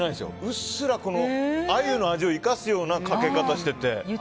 うっすらアユの味を生かすようなかけかたをしていて。